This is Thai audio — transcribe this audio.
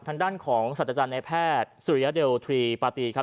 ทางด้านของสัตว์อาจารย์ในแพทย์สุริยเดลทรีปาตีครับ